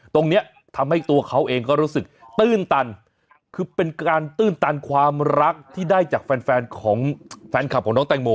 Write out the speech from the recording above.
ตรงนี้ทำให้ตัวเขาเองก็รู้สึกตื้นตันคือเป็นการตื้นตันความรักที่ได้จากแฟนแฟนของแฟนคลับของน้องแตงโม